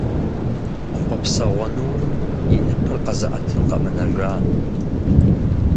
Хъуэпсэгъуэ нурым и ныпыр къэзыӀэтын къэмынэжа…